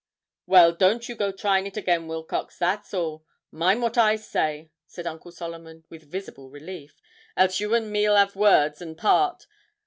'Well, don't you go trying it again, Wilcox, that's all. Mind what I say,' said Uncle Solomon, with visible relief, 'else you and me'll 'ave words and part.